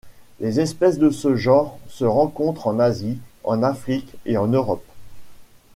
Les espèces de ce genre se rencontrent en Asie, en Afrique et en Europe.